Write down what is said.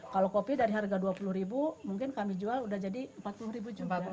kalau kopi dari harga dua puluh ribu mungkin kami jual udah jadi empat puluh ribu juga